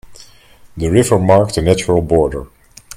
The river marked a natural border.